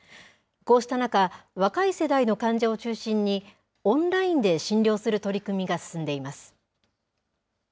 こうした中、若い世代の患者を中心に、オンラインで診療する取り組みが進んでいます。